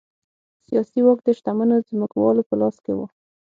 سیاسي واک د شتمنو ځمکوالو په لاس کې و.